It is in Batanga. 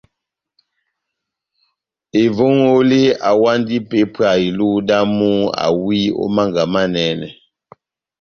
Evongole awandi ipépwa iluhu damu awi ó Mánga Manɛnɛ.